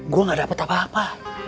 gue gak dapat apa apa